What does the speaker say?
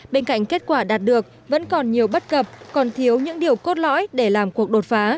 bên cạnh kết quả đạt được vẫn còn nhiều bất cập còn thiếu những điều cốt lõi để làm cuộc đột phá